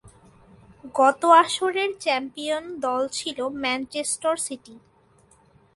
গত আসরের চ্যাম্পিয়ন দল ছিলো ম্যানচেস্টার সিটি।